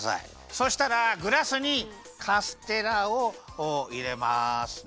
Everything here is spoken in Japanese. そしたらグラスにカステラをいれますね。